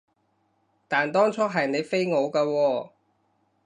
但當初係你飛我㗎喎